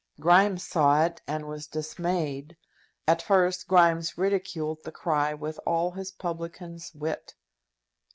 Grimes saw it, and was dismayed. At first, Grimes ridiculed the cry with all his publican's wit.